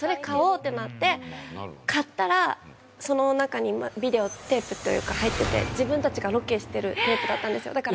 買おうってなって買ったらその中にビデオテープというか入ってて自分たちがロケしてるテープだったんですよ。